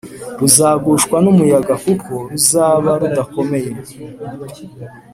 ruzagushwa n’umuyaga kuko ruzaba rudakomeye,